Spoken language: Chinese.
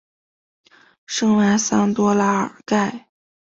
圣万桑多拉尔盖。